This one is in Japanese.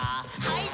はい。